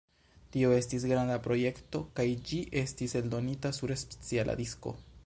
Tio estis granda projekto kaj ĝi estis eldonita sur speciala disko.